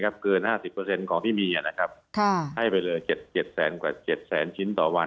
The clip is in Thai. เกิน๕๐ของที่มีนะครับให้ไปเลย๗แสนกว่า๗แสนชิ้นต่อวัน